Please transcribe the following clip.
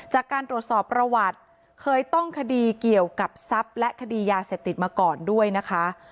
จากการตรวจสอบประวัติเคยต้องคดีเกี่ยวกับทรัพย์และคดียาเสพติดมาก่อนด้วยนะคะ